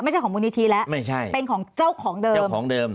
ไม่ใช่ของมูลนิธีแล้วไม่ใช่เป็นของเจ้าของเดิม